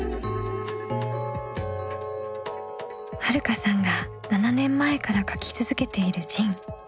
はるかさんが７年前から書き続けている「ＺＩＮＥ」。